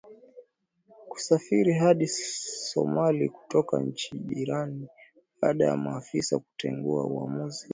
kusafiri hadi Somalia kutoka nchi jirani baada ya maafisa kutengua uamuzi ambao maafisa wanalaumu